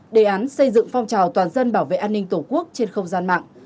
đề án xây dựng phong trào toàn dân bảo vệ an ninh tổ quốc trên không gian mạng